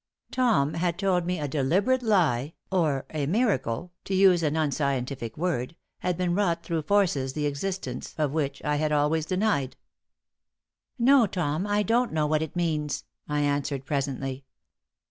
Tom had told me a deliberate lie, or a miracle, to use an unscientific word, had been wrought through forces the existence of which I had always denied. "No, Tom, I don't know what it means," I answered, presently.